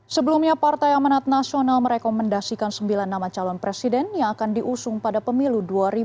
sebelumnya partai amanat nasional merekomendasikan sembilan nama calon presiden yang akan diusung pada pemilu dua ribu dua puluh